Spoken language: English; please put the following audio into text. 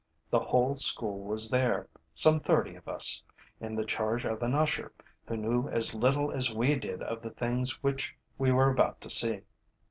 The whole school was there, some thirty of us, in the charge of an usher, who knew as little as we did of the things which we were about to see.